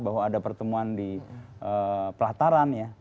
bahwa ada pertemuan di pelataran ya